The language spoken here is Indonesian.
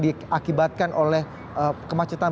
diakibatkan oleh kemacetan